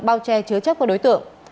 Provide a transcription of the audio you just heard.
bao che chứa chấp của đối tượng